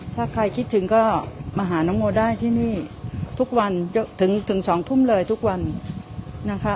ถ้าใครคิดถึงก็มาหาน้องโมได้ที่นี่ทุกวันถึง๒ทุ่มเลยทุกวันนะคะ